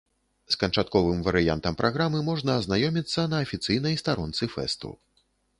З канчатковым варыянтам праграмы можна азнаёміцца на афіцыйнай старонцы фэсту.